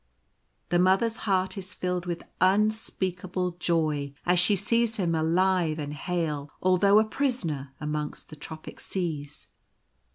The Mother's heart is filled with unspeakable joy, as she sees him alive and hale, although a prisoner amongst the tropic seas.